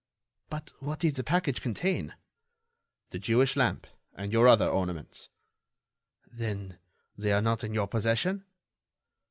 "But what did the package contain?" "The Jewish lamp and your other ornaments." "Then, they are not in your possession?"